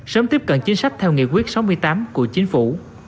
sớm tiếp cận chính sách theo nghị quyết sáu mươi tám của chính phủ